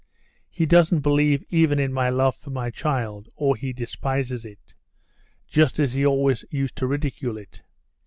He doesn't believe even in my love for my child, or he despises it (just as he always used to ridicule it).